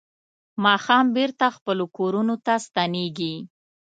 ماښام بېرته خپلو کورونو ته ستنېږي.